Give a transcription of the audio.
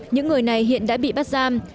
những người này hiện đã bị bắt giam